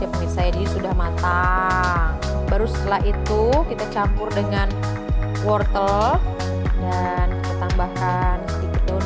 pemirsa ini sudah matang baru setelah itu kita campur dengan wortel dan kita tambahkan sedikit daun